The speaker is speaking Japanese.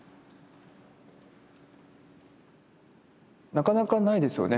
なかなかないですよね。